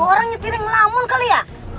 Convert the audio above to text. itu orang nyetir yang melamun kali ya